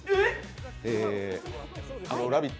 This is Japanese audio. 「ラヴィット！」